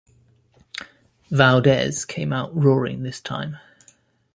Valdez came out roaring this time.